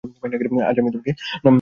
আজ আমি তোমাকে না সাজাইয়া যাইব না।